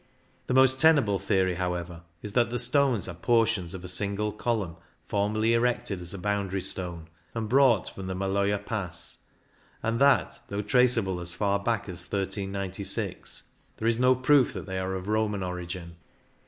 The most tenable theory, however, is that the stones are portions of a single column formerly erected as a boundary stone, and brought from the Maloja Pass, and that though traceable as far back as 1396, there is no proof that they are of Roman origin.